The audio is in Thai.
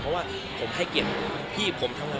เพราะว่าผมให้เกียรติพี่ผมทำงาน